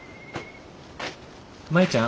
舞ちゃん。